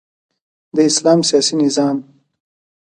د اسلام سیاسی نظام